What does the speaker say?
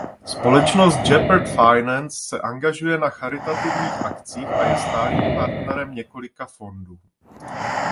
Společnost Gepard Finance se angažuje na charitativních akcích a je stálým partnerem několika fondů.